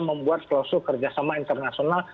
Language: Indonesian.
membuat klausul kerjasama internasional